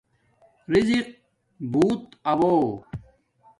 رزِق بوت آݸہ